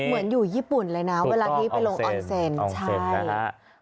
เหมือนอยู่ญี่ปุ่นเลยนะเวลาที่ไปลงออนเซนใช่